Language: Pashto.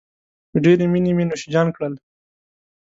په ډېرې مينې مې نوشیجان کړل.